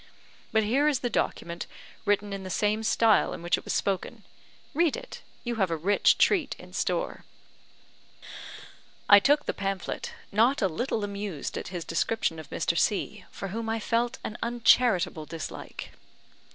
But here is the document, written in the same style in which it was spoken. Read it; you have a rich treat in store." I took the pamphlet, not a little amused at his description of Mr. C , for whom I felt an uncharitable dislike.